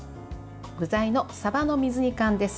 具材のさばの水煮缶です。